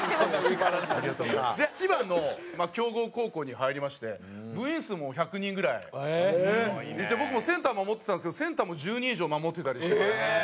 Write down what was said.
千葉の強豪高校に入りまして部員数も１００人ぐらいいて僕もセンター守ってたんですけどセンターも１０人以上守ってたりして。